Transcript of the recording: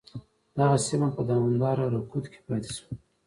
دغه سیمه په دوامداره رکود کې پاتې شوه.